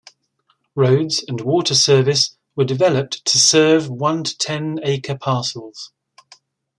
Roads and water service were developed to serve one to ten acre parcels.